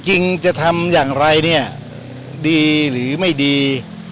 จริงจะทำอย่างไรเนี่ยดีหรือไม่ดี